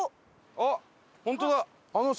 あっ本当だ。